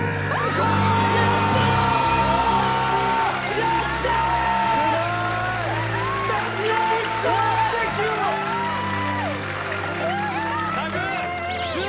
やったー！